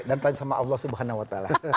dan tanya sama allah swt